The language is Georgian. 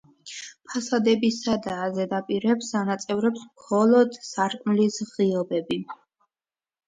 ფასადები სადაა, ზედაპირებს ანაწევრებს მხოლოდ სარკმლის ღიობები.